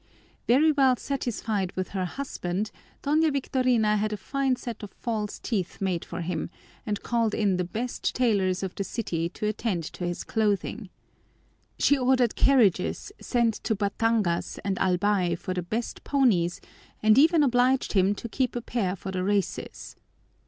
Very well satisfied with her husband, Doña Victorina had a fine set of false teeth made for him and called in the best tailors of the city to attend to his clothing. She ordered carriages, sent to Batangas and Albay for the best ponies, and even obliged him to keep a pair for the races.